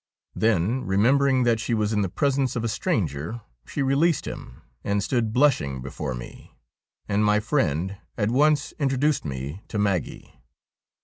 Then, remembering that she was in the presence of a stranger, she released him, and stood blushing before me, and my friend at once introduced me to Maggie.